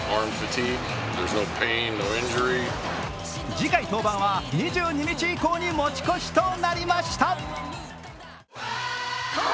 次回登板は２２日以降に持ち越しとなりました